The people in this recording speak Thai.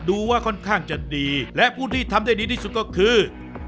ดูว่าค่อนข้างจะดีและผู้ที่ทำได้ดีที่สุดก็คือ